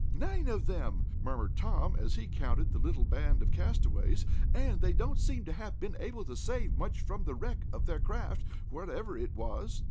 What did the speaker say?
"Nine of them," murmured Tom, as he counted the little band of castaways, "and they don't seem to have been able to save much from the wreck of their craft, whatever it was."